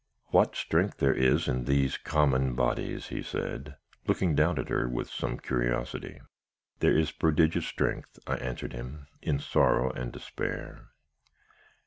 "'What strength there is in these common bodies!' he said, looking down at her with some curiosity. "'There is prodigious strength,' I answered him, 'in sorrow and despair.'